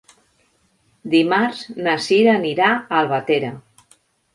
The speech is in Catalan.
Dimarts na Sira anirà a Albatera.